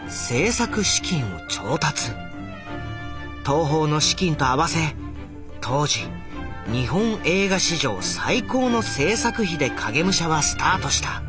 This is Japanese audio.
東宝の資金と合わせ当時日本映画史上最高の製作費で「影武者」はスタートした。